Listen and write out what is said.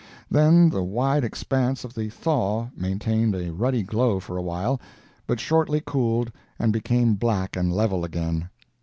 Then the wide expanse of the "thaw" maintained a ruddy glow for a while, but shortly cooled and became black and level again.